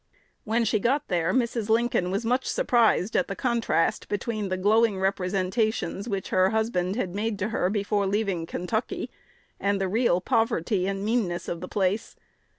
When she got there, Mrs. Lincoln was much "surprised" at the contrast between the glowing representations which her husband had made to her before leaving Kentucky and the real poverty and meanness of the place.